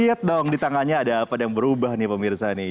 lihat dong di tangannya ada apa yang berubah nih pemirsa nih